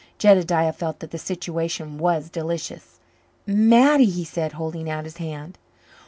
Jedediah felt that the situation was delicious. "Mattie," he said, holding out his hand.